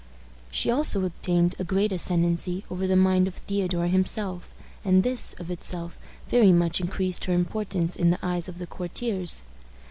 She also obtained a great ascendency over the mind of Theodore himself, and this, of itself, very much increased her importance in the eyes of the courtiers.